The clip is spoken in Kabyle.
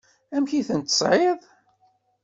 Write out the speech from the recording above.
Amek i ten-tesɛiḍ?